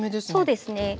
そうですね。